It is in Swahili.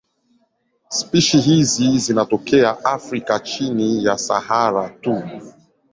Spishi hizi zinatokea Afrika chini ya Sahara tu.